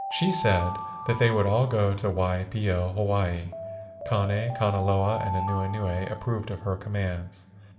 She said that they would all go to Waipio, Hawaii. Kane, Kanaloa, and Anuenue approved of her commands.